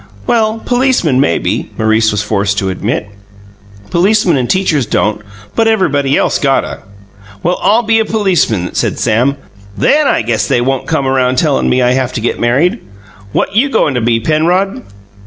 "Well, policemen, maybe," Maurice was forced to admit. "Policemen and teachers don't, but everybody else gotta." "Well, I'll be a policeman," said Sam. "THEN I guess they won't come around tellin' me I have to get married. What you goin' to be, Penrod?"